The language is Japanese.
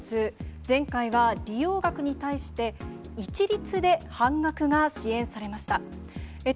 前回は利用額に対して、一律で半額が支援されました。